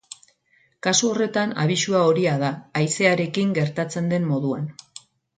Kasu horretan, abisua horia da, haizerakein gertatzen den moduan.